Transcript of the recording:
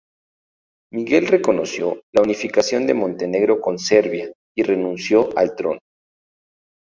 Miguel reconoció la unificación de Montenegro con Serbia y renunció al trono.